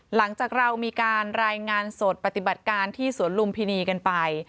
หลังจากเรามีการรายงานสดปฏิบัติการที่สวนลุมพินีกันไป